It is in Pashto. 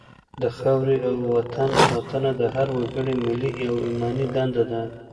د خاورې او وطن ساتنه د هر وګړي ملي او ایماني دنده ده.